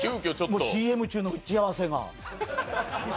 ＣＭ中の打ち合わせが。